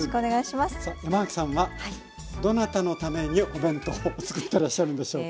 さあ山脇さんはどなたのためにお弁当をつくってらっしゃるんでしょうか？